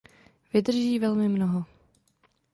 Vydrží velmi mnoho.